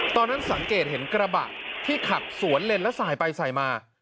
ตอนนั้นสังเกตเห็นกระบะที่ขับสวนเลนและสายไปสายมา